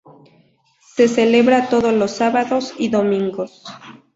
Se celebra todos los sábados y domingos.